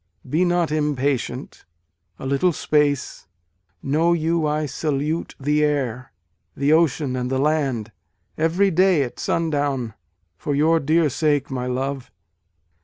(Be not impatient a little space Know you, I salute the air, the ocean and the land, Every day, at sundown, for your dear sake, my love.)